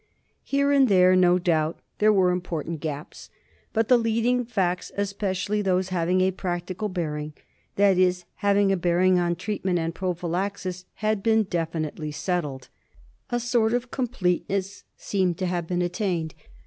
Here and there, no doubt, there were important gaps; but the leading facts, especi ally those having a practical bearing — that is, having a bearing on treatment and prophylaxis — had been de finitely settled. A sort of completeness seemed to have been attained.